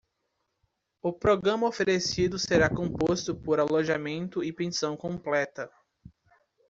O programa oferecido será composto por alojamento e pensão completa.